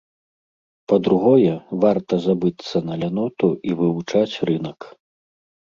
Па-другое, варта забыцца на ляноту і вывучаць рынак.